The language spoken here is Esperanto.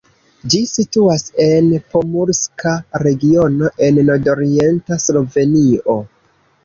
Ĝi situas en Pomurska regiono en nordorienta Slovenio.